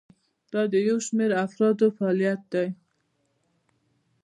دا د یو شمیر افرادو فعالیت دی.